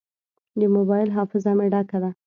د موبایل حافظه مې ډکه ده.